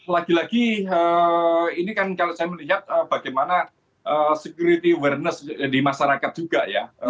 lagi lagi ini kan kalau saya melihat bagaimana security awareness di masyarakat juga ya